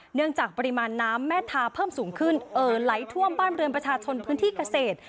เนื่องจากปริมาณน้ำแม่ทาเพิ่มสูงขึ้นเอ่อไหลท่วมบ้านเรือนประชาชนพื้นที่เกษตร